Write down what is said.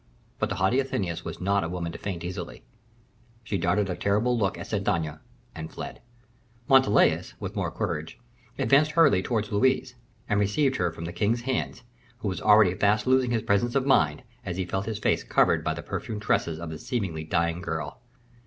But the haughty Athenais was not a woman to faint easily; she darted a terrible look at Saint Aignan, and fled. Montalais, with more courage, advanced hurriedly towards Louise, and received her from the king's hands, who was already fast losing his presence of mind, as he felt his face covered by the perfumed tresses of the seemingly dying girl.